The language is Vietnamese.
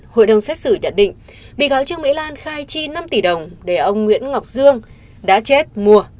hội đồng xét xử nhận định bị cáo trương mỹ lan khai chi năm tỷ đồng để ông nguyễn ngọc dương đã chết mua